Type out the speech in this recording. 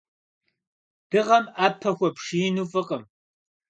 Дыгъэм ӏэпэ хуэпшиину фӏыкъым.